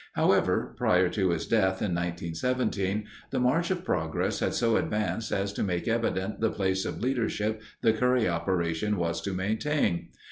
However, prior to his death in 1917, the march of progress had so advanced as to make evident the place of leadership the Curry operation was to maintain.